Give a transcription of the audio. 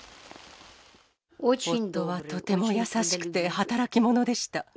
夫はとても優しくて働きものでした。